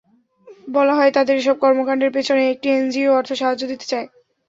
বলা হয়, তাদের এসব কর্মকাণ্ডের পেছনে একটি এনজিও অর্থ সাহায্য দিতে চায়।